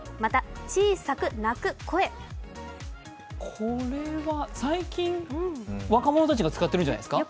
これは最近、若者たちが使っているんじゃないですか？